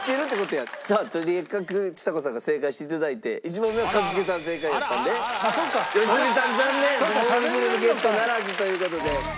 さあとにかくちさ子さんが正解して頂いて１問目は一茂さん正解やったんで良純さん残念！ごほうびグルメゲットならずという事で。